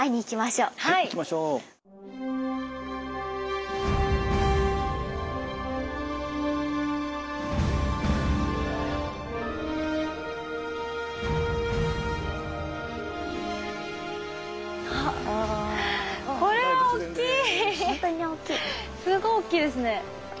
すごいおっきいですね。